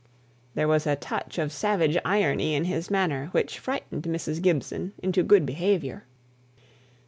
There was a touch of savage irony in his manner which frightened Mrs. Gibson into good behaviour.